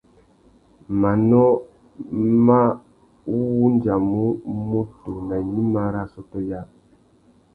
Manô mà wandjamú mutu nà gnïma nà assôtô yâā.